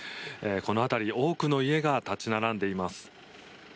この辺り多くの家が立ち並んでいます。